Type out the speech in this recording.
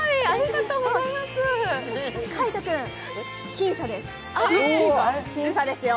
海音君、僅差ですよ。